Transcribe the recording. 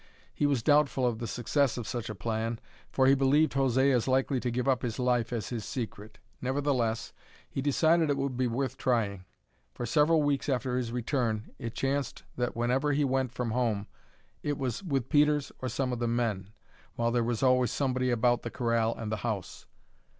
He was doubtful of the success of such a plan, for he believed José as likely to give up his life as his secret. Nevertheless, he decided it would be worth trying. For several weeks after his return it chanced that whenever he went from home it was with Peters or some of the men, while there was always somebody about the corral and the house.